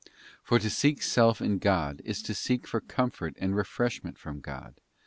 For to seek self in God is to seek for comfort and refreshment from God.